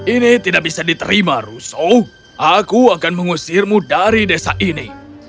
ini tidak bisa diterima russo aku akan mengusirmu dari desa ini